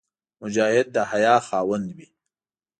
مجاهد د حیا خاوند وي.